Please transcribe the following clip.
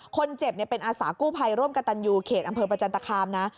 คนเจ็บเป็นอาสากู้ภัยร่วมกับตันยูเขตอำเภอประจันตคามนะ